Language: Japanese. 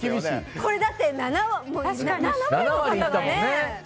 これだって７割の方がね。